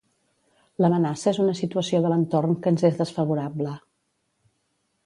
L'amenaça és una situació de l'entorn que ens és desfavorable.